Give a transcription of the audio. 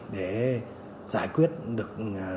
để giải quyết được